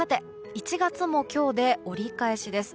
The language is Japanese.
１月も今日で折り返しです。